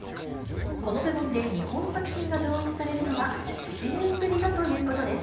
この部門で日本作品が上演されるのは７年ぶりだということです。